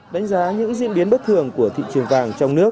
đánh giá những diễn biến bất thường của thị trường vàng trong nước